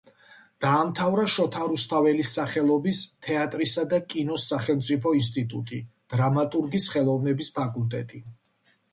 დაამთავრა შოთა რუსთაველის სახელობის თეატრისა და კინოს სახელმწიფო ინსტიტუტი, დრამატურგის ხელოვნების ფაკულტეტი.